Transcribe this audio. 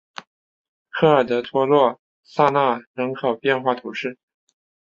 科尔德托洛萨纳人口变化图示